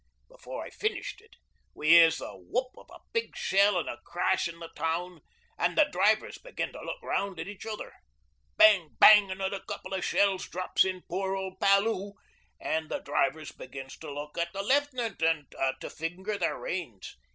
'Before I finished it we hears the whoop o' a big shell an' a crash in the town, an' the drivers begins to look round at each other. Bang bang another couple o' shells drops in poor old Palloo, an' the drivers begins to look at the Left'nant an' to finger their reins.